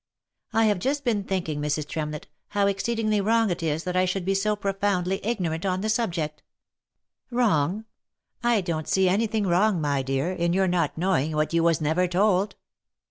" I have just been thinking, Mrs. Tremlett, how exceedingly wrong it is that I should be so profoundly ignorant on the subject." " Wrong? — I don't see any thing wrong, my dear, in your not knowing what you was never told."